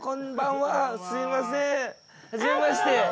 はじめまして！